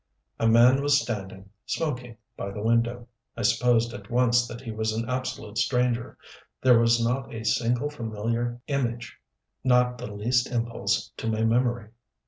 A man was standing, smoking, by the window. I supposed at once that he was an absolute stranger. There was not a single familiar image, not the least impulse to my memory.